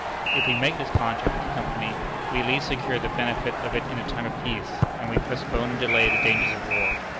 If we make this contract with the Company, we at least secure the benefit of it in time of peace, and we postpone and delay the dangers of war.